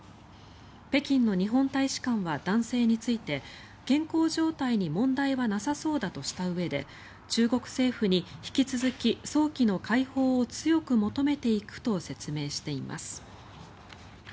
北京の日本大使館は男性について健康状態に問題はなさそうだとしたうえで中国政府に引き続き早期の解放を強く求めていくと説明しています。